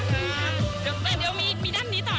เดี๋ยวมีด้านนี้ต่อ